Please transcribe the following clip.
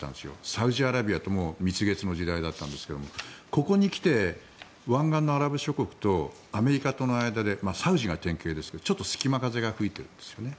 サウジアラビアとも蜜月の時代だったんですがここに来て湾岸のアラブ諸国とアメリカとの間でサウジが典型ですがちょっと隙間風が吹いているんですよね。